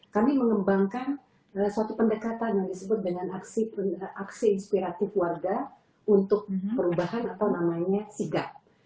kami mengembangkan suatu pendekatan yang disebut dengan aksi inspiratif warga untuk perubahan atau namanya sigap